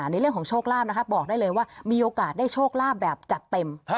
ในเรื่องของโชคลาภนะคะบอกได้เลยว่ามีโอกาสได้โชคลาภแบบจัดเต็ม